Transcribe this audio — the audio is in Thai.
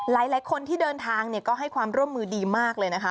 หลายคนที่เดินทางก็ให้ความร่วมมือดีมากเลยนะคะ